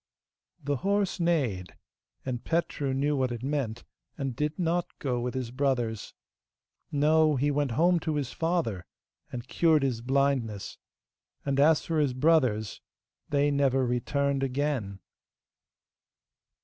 The horse neighed, and Petru knew what it meant, and did not go with his brothers. No, he went home to his father, and cured his blindness; and as for his brothers, they never returned again.